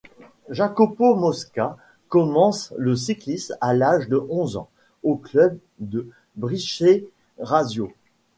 Jacopo Mosca commence le cyclisme à l'âge de onze ans, au club de Bricherasio.